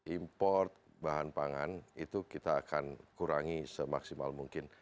import bahan pangan itu kita akan kurangi semaksimal mungkin